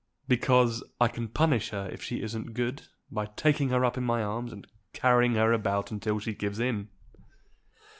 "Because I can punish her if she isn't good by taking her up in my arms, and carrying her about until she gives in."